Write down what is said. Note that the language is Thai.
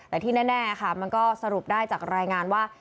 แต่ที่แน่ค่ะมันก็สรุปได้จากรายงานว่า